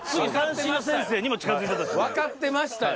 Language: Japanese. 分かってましたよ